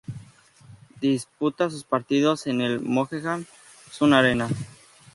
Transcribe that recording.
Disputa sus partidos en el Mohegan Sun Arena.